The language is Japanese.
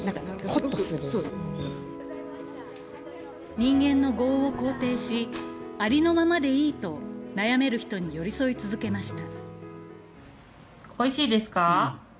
人間の業を肯定し、ありのままでいいと悩める人に寄り添い続けました。